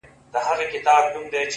زمـا مــاسوم زړه؛